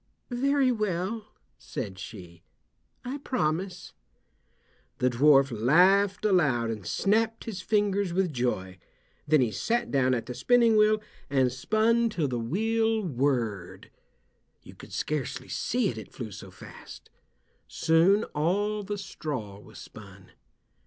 "Very well," said she, "I promise." The dwarf laughed aloud and snapped his fingers with joy. Then he sat down at the spinning wheel and spun till the wheel whirred. You could scarcely see it, it flew so fast. Soon all the straw was spun.